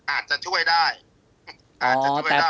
อาจจะช่วยได้